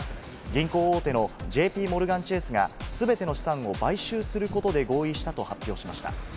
銀行大手のＪＰモルガン・チェースがすべての資産を買収することで合意したと発表しました。